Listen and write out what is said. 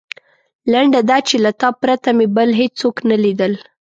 لنډه دا چې له تا پرته مې بل هېڅوک نه لیدل.